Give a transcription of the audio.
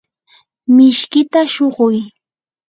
mishkita shuquy.